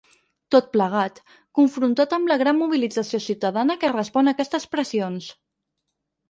Tot plegat, confrontat amb la gran mobilització ciutadana que respon a aquestes pressions.